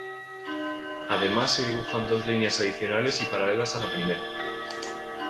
Además se dibujan dos líneas adicionales y paralelas a la primera.